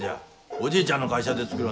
おじいちゃんの会社で作りょんぞ。